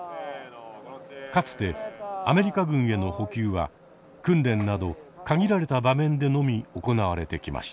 かつてアメリカ軍への補給は訓練など限られた場面でのみ行われてきました。